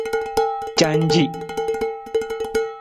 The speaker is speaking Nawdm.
Canci.